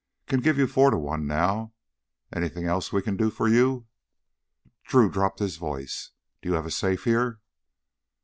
Can give you four to one now. Anything else we can do for you?" Drew dropped his voice. "Do you have a safe here?"